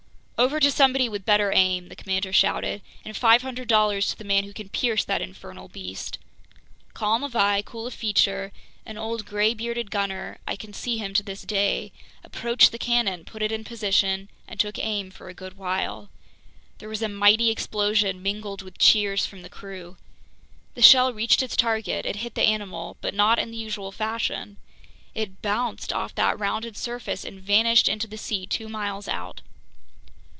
"Over to somebody with better aim!" the commander shouted. "And $500.00 to the man who can pierce that infernal beast!" Calm of eye, cool of feature, an old gray bearded gunner—I can see him to this day—approached the cannon, put it in position, and took aim for a good while. There was a mighty explosion, mingled with cheers from the crew. The shell reached its target; it hit the animal, but not in the usual fashion—it bounced off that rounded surface and vanished into the sea two miles out.